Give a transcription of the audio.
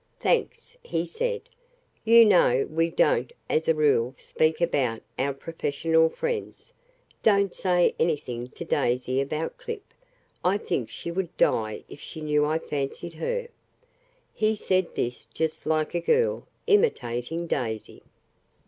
"Thanks," he said. "You know, we don't, as a rule, speak about our professional friends. Don't say anything to Daisy about Clip. I think she would die if she knew I fancied her." He said this just like a girl, imitating Daisy.